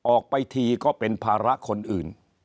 ออกไปทีก็เป็นภาระคนอื่น